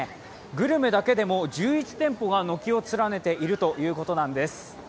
グルメだけでも１１店舗が軒を連ねているということなんです。